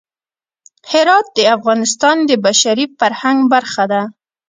هرات د افغانستان د بشري فرهنګ برخه ده.